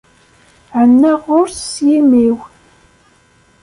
Ɛennaɣ ɣur-s s yimi-w.